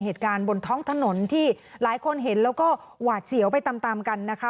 เหตุการณ์บนท้องถนนที่หลายคนเห็นแล้วก็หวาดเสียวไปตามตามกันนะคะ